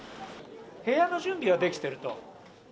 部屋の準備はできてると。